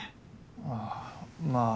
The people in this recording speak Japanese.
ああまあ